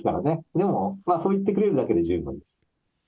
でもそう言ってくれるだけで十分です。